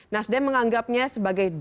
nasdem menganggapnya sebagai capres